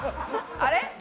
あれ？